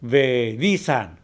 về di sản